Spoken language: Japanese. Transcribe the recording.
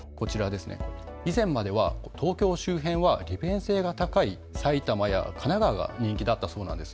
以前までは東京周辺は利便性が高い埼玉や神奈川が人気だったそうなんです。